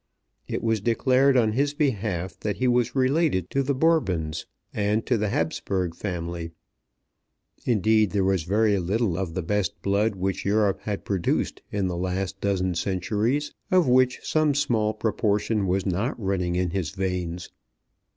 It was declared on his behalf that he was related to the Bourbons and to the Hapsburgh family. Indeed there was very little of the best blood which Europe had produced in the last dozen centuries of which some small proportion was not running in his veins.